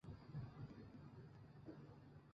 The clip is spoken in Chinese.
薄叶大理糙苏为唇形科糙苏属下的一个变种。